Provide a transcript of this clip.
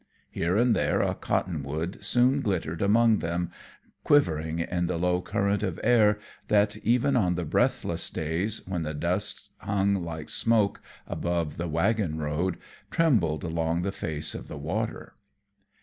Here and there a cottonwood soon glittered among them, quivering in the low current of air that, even on breathless days when the dust hung like smoke above the wagon road, trembled along the face of the water.